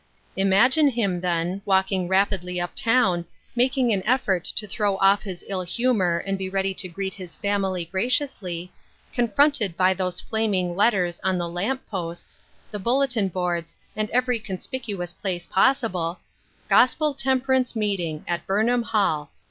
Imagine him, then, walking rapidly up town, making an effort to throw off his ill humor and be ready to greet his family graciously, confronted by those flaming letters on the lamp posts, the bulletin boards, in every conspicuous place possible :— GOSPEL TEMPERANCE MEETING AT BURNHAM HALL.